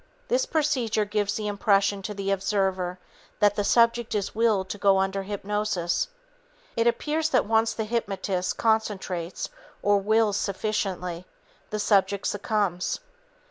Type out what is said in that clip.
This procedure gives the impression to the observer that the subject is "willed" to go under hypnosis. It appears that once the hypnotist concentrates or wills sufficiently, the subject succumbs.